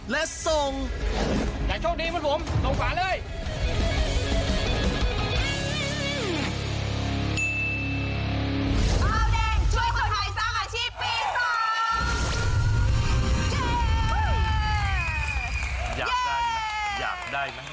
อยากได้ไหมอยากได้ไหม